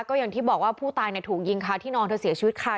ก็อย่างที่บอกว่าผู้ตายถูกยิงค่ะที่นอนเธอเสียชีวิตค่ะ